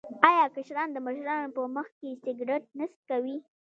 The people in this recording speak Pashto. آیا کشران د مشرانو په مخ کې سګرټ نه څکوي؟